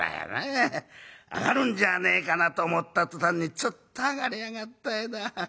上がるんじゃねえかなと思った途端につっと上がりやがってな。